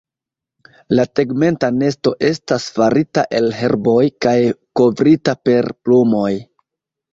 La tegmenta nesto estas farita el herboj kaj kovrita per plumoj.